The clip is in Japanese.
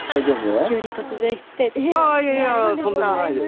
ああいやいやとんでもないです